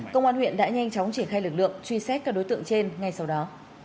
công an huyện đã nhanh chóng triển khai lực lượng truy xét các đối tượng trên ngay sau đó